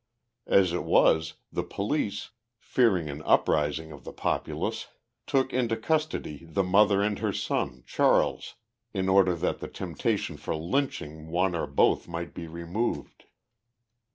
As it was, the police, fearing an uprising of the populace, took into custody the mother and her son, Charles, in order that the temptation for lynching one or both might be removed.